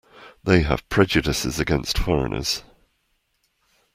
They have prejudices against foreigners.